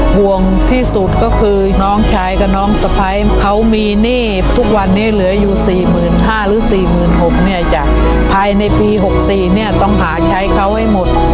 ห่วงที่สุดก็คือน้องชายกับน้องสะพ้ายเขามีหนี้ทุกวันนี้เหลืออยู่๔๕๐๐หรือ๔๖๐๐เนี่ยจ้ะภายในปี๖๔เนี่ยต้องหาใช้เขาให้หมด